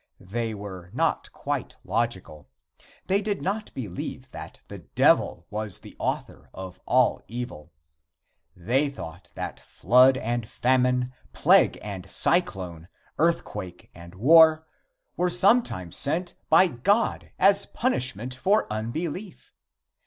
They were not quite logical. They did not believe that the Devil was the author of all evil. They thought that flood and famine, plague and cyclone, earthquake and war, were sometimes sent by God as punishment for unbelief.